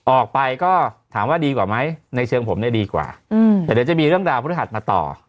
ออกไปก็ถามว่าดีกว่าไหมในเชิงผมเนี่ยดีกว่าแต่เดี๋ยวจะมีเรื่องราวพฤหัสมาต่อ